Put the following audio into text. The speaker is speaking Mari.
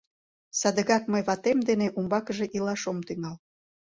Садыгак мый ватем дене умбакыже илаш ом тӱҥал...